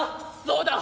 「そうだ！